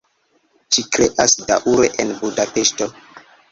Ŝi kreas daŭre en Budapeŝto.